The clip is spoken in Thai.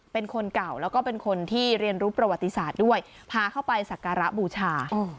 เป็นคนเก่าแล้วก็เป็นคนที่เรียนรู้ประวัติศาสตร์ด้วยพาเข้าไปสักการะบูชา